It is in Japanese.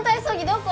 どこ？